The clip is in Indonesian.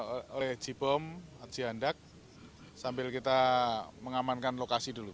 oleh jibom haji handak sambil kita mengamankan lokasi dulu